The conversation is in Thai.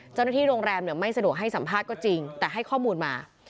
เจ้าหน้าที่โรงแรมไม่สะดวกให้สัมภาษณ์ก็จริงแต่ให้ข้อมูลมา